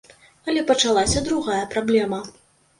Але пачалася другая праблема.